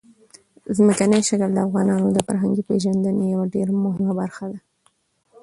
ځمکنی شکل د افغانانو د فرهنګي پیژندنې یوه ډېره مهمه برخه ده.